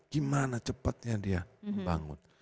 gimana cepatnya dia bangun